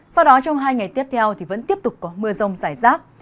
sau đó trong hai ngày tiếp theo vẫn tiếp tục có mưa rông giải rác